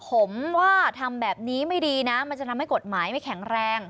ผมว่าทำแบบนี้ไม่ดีนะมันจะทำให้กฎหมายไม่แข็งแรง